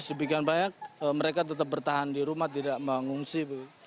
sebegian banyak mereka tetap bertahan di rumah tidak mengungsi